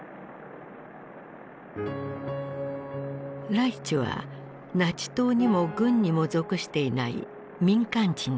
ライチュはナチ党にも軍にも属していない民間人だった。